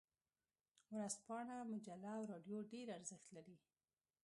ورځپاڼه، مجله او رادیو ډیر ارزښت لري.